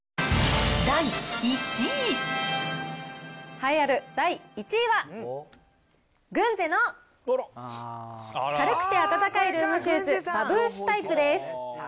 栄えある第１位は、グンゼの軽くて暖かいルームシューズバブーシュタイプです。